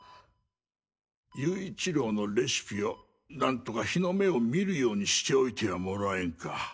勇一郎のレシピをなんとか日の目を見るようにしておいてはもらえんか。